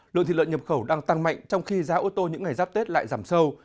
lượng thịt lợn nhập khẩu đang tăng mạnh trong khi giá ô tô những ngày giáp tết lại giảm sâu